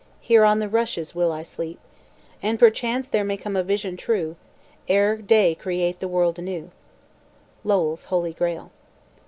Here on the rushes will I sleep, And perchance there may come a vision true Ere day create the world anew" Lowell's Holy Grail.